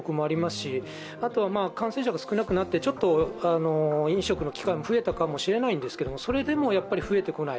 し感染者が少なくなって、飲食の機会も増えたかもしれないんですけどそれでも増えてこない。